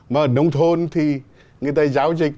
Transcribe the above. mà nông thôn thì người ta giáo dịch